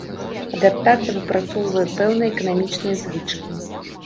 Адаптацыя выпрацоўвае пэўныя эканамічныя звычкі.